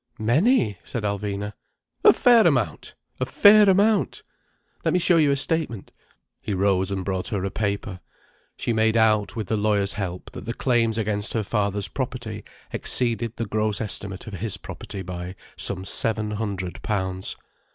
"Many!" said Alvina. "A fair amount! A fair amount! Let me show you a statement." He rose and brought her a paper. She made out, with the lawyer's help, that the claims against her father's property exceeded the gross estimate of his property by some seven hundred pounds.